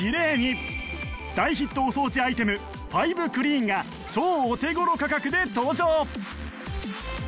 大ヒットお掃除アイテムファイブクリーンが超お手頃価格で登場